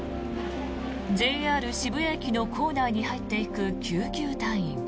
ＪＲ渋谷駅の構内に入っていく救急隊員。